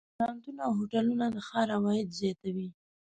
رستورانتونه او هوټلونه د ښار عواید زیاتوي.